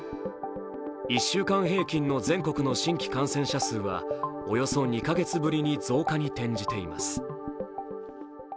１週間平均の全国の新規感染者数はおよそ２か月ぶりに増加に転じています。